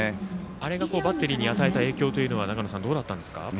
あれがバッテリーに与えた影響というのは長野さん、どうでしょうか。